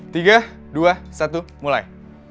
tiga dua satu mulai